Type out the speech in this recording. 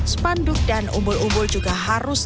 spanduk dan umbul umbul juga harus